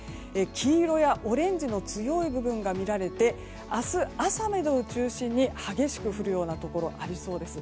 黄色やオレンジの強い部分が見られて明日朝を中心に激しく降るようなところがありそうです。